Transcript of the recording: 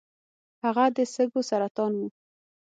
هغه د سږو سرطان و .